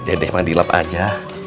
dede mandi lap aja